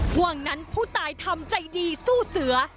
ห่วงนั้นผู้ตายทำใจดีสู้เสือ